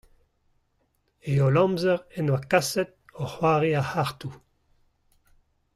E holl amzer en doa kaset o c'hoari ar c'hartoù.